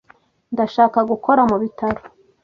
Ndashaka gukora mu bitaro.